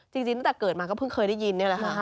จริงตั้งแต่เกิดมาก็เพิ่งเคยได้ยินนี่แหละค่ะ